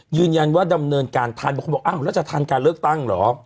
แล้วเราจะทันการเลือกตั้งหรอ